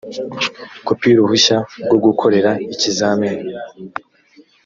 kopi y uruhushya rwo gukora ikizamini